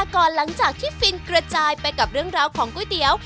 ก่อนหลังจากที่ฟินกระจายไปกับเรื่องราวของก๋วยเตี๋ยว